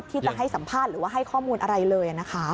ที่จะให้สัมภาษณ์หรือว่าให้ข้อมูลอะไรเลยนะคะ